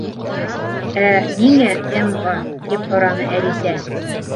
— Ә ниңә М-ға? —тип һораны Әлисә.